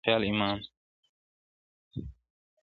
o زما د زړه سپینه کعبه کي ستا د خُسن خیال اِمام دی